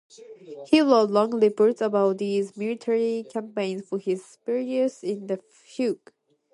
He wrote long reports about these military campaigns for his superiors in The Hague.